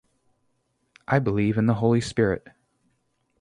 I believe in the Holy Spirit